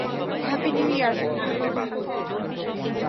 Happy new year!